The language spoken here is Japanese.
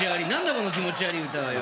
この気持ち悪い歌はよ